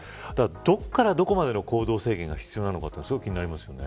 どこからどこまでの行動制限が必要なのかすごい気になりますね。